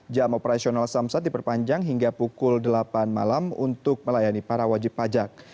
jam operasional samsat diperpanjang hingga pukul delapan malam untuk melayani para wajib pajak